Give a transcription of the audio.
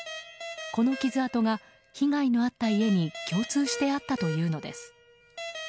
この傷痕が、被害のあった家に共通してあったというのです。